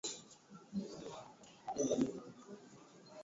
unakolea na kufikia viwango hatari kwenye hewa huwadhuru wanadamu